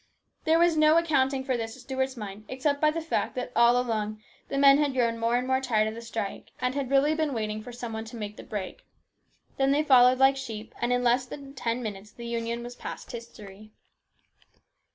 There was no accounting for this to Stuart's mind, except by the fact that all along the men had grown more and more tired of the strike, and had really been waiting for some one to make the break. Then they followed like sheep, and in less than ten minutes the Union was past history.